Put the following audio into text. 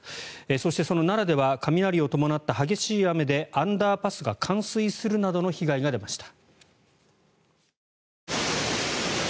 そして、その奈良では雷を伴った激しい雨でアンダーパスが冠水するなどの被害が出ました。